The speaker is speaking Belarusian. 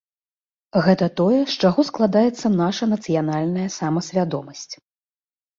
Гэта тое, з чаго складаецца наша нацыянальная самасвядомасць.